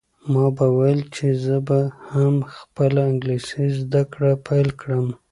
ما به ویل چې زه به هم خپله انګلیسي زده کړه پیل کړم.